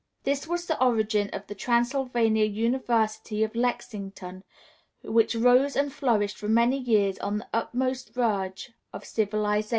This was the origin of the Transylvania University of Lexington, which rose and flourished for many years on the utmost verge of civilization.